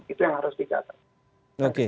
itu yang harus dicatat